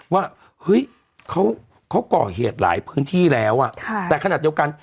ว่าเฮ้ยเขาก่อเหตุหลายพื้นที่แล้วแต่ขนาดเดียวกัน